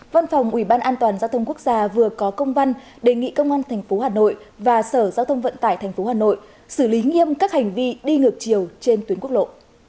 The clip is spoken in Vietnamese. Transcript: văn phòng ủy ban an toàn giao thông quốc gia vừa có công văn đề nghị công an tp hà nội và sở giao thông vận tải tp hà nội xử lý nghiêm các hành vi đi ngược chiều trên tuyến quốc lộ